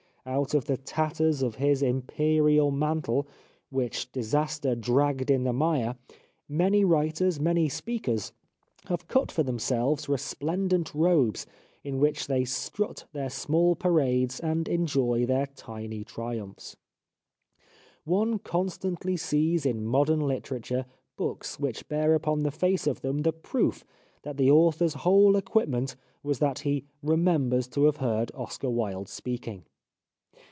Out of the tatters of his imperial mantle, which dis 293 The Life of Oscar Wilde aster dragged in the mire, many writers, many speakers, have cut for themselves resplendent robes in which they strut their small parades and enjoy their tiny triumphs. One constantly sees in modern literature books which bear upon the face of them the proof that the author's whole equipment was that he " remembers to have heard Oscar Wilde speaking."